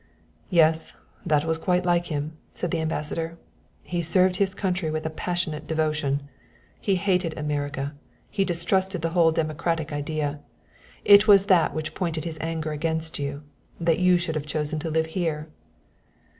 "Yes; that was quite like him," said the Ambassador. "He served his country with a passionate devotion. He hated America he distrusted the whole democratic idea. It was that which pointed his anger against you that you should have chosen to live here."